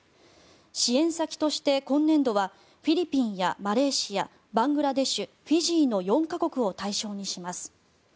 支援先として今年度はフィリピンやマレーシアバングラデシュ、フィジーの４か国を対象にします。